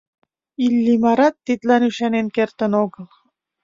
Иллимарат тидлан ӱшанен кертын огыл.